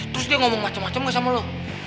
terus dia ngomong macem macem gak sama lo